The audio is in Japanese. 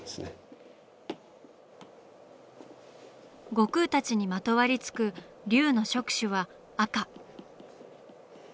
悟空たちにまとわりつく龍の触手は赤。